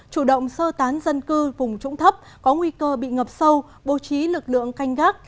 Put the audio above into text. chủ động sơ tán dân cư vùng trũng thấp có nguy cơ bị ngập sâu bố trí lực lượng canh gác